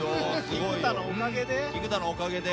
菊田のおかげで？